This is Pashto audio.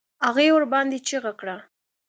هغې ورباندې چيغه کړه.